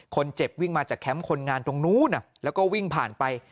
คนเจ็บวิ่งมาจากแคมป์คนงานตรงนู้นแล้วก็วิ่งผ่านไป